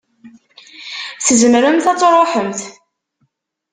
Tzemremt ad tṛuḥemt.